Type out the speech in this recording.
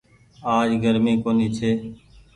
آج گرمي ڪونيٚ ڇي۔